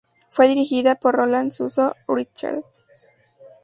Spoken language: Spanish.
Fue dirigida por Roland Suso Richter.